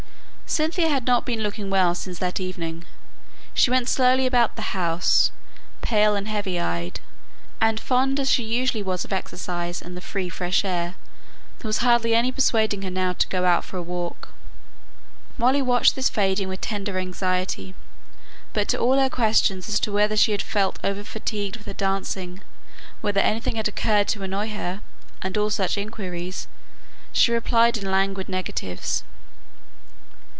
Cynthia had not been looking well since that evening; she went slowly about the house, pale and heavy eyed; and, fond as she usually was of exercise and the free fresh air, there was hardly any persuading her now to go out for a walk. Molly watched this fading with tender anxiety, but to all her questions as to whether she had felt over fatigued with her dancing, whether anything had occurred to annoy her, and all such inquiries, she replied in languid negatives.